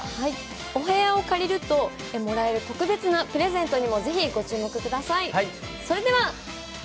お部屋を借りるともらえる特別なプレゼントにもぜひご注目ください。